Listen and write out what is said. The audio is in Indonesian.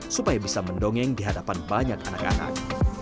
supaya bisa mendongeng di hadapan banyak anak anak